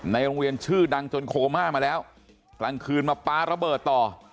ในโรงเรียนชื่อดังจนโคม่ามาแล้วกลางคืนมาป๊าระเบิดต่อ